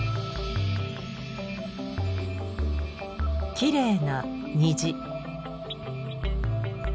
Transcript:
きれいな虹。